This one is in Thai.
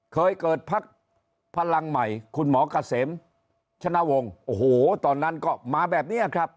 ก็เกิดภักษ์พลังใหม่คุณหมอกาเสมชนะวงตอนนั้นก็มาแบบนี้